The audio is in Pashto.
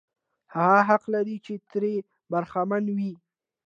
هغه حق لري چې ترې برخمن وي.